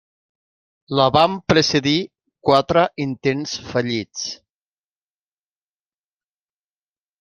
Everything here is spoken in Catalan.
La van precedir quatre intents fallits.